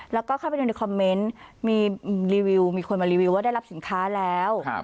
แล้วก็เข้าไปดูในคอมเมนต์มีรีวิวมีคนมารีวิวว่าได้รับสินค้าแล้ว